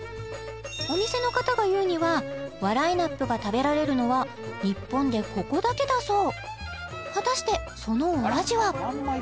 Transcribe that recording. お店の方がいうにはワラエナップが食べられるのは日本でここだけだそう果たしてそのお味は？